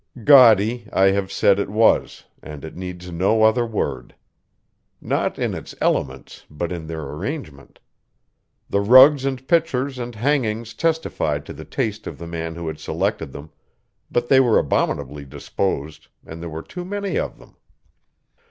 Gaudy, I have said it was, and it needs no other word. Not in its elements, but in their arrangement. The rugs and pictures and hangings testified to the taste of the man who had selected them; but they were abominably disposed, and there were too many of them.